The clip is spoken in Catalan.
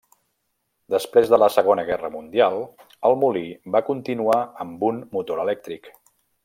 Després de la segona guerra mundial, el molí va continuar amb un motor elèctric.